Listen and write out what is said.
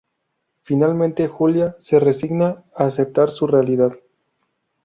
Finalmente, Julia se resigna a aceptar su realidad.